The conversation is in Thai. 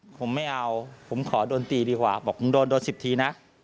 ผมไม่เอาผมขอโดนตีดีกว่าบอกมึงโดน๑๐ทีนะ